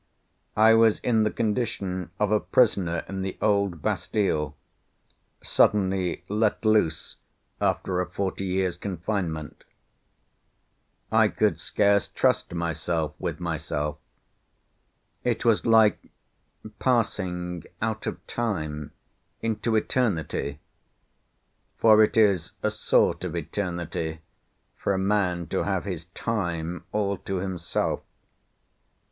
I was in the condition of a prisoner in the old Bastile, suddenly let loose after a forty years' confinement. I could scarce trust myself with myself. It was like passing out of Time into Eternity—for it is a sort of Eternity for a man to have his Time all to himself.